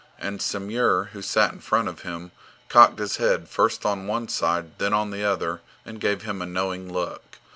And Samur, who sat in front of him, cocked his head first on one side, then on the other, and gave him a knowing look.